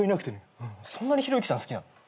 そんなにひろゆきさん好きなの？